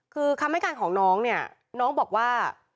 คือคำให้การของน้องเนี่ยน้องบอกว่า